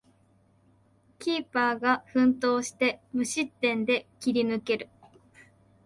キーパーが奮闘して無失点で切り抜ける